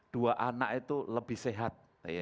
dua anak itu lebih sehat